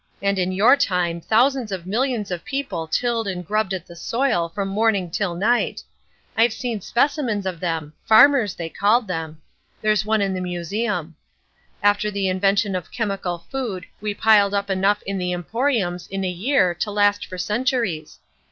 And in your time thousands of millions of people tilled and grubbed at the soil from morning till night. I've seen specimens of them—farmers, they called them. There's one in the museum. After the invention of Chemical Food we piled up enough in the emporiums in a year to last for centuries.